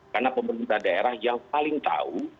karena pemerintah daerah yang paling tahu